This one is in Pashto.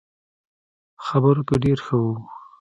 خبرو کې ډېر ښه وو.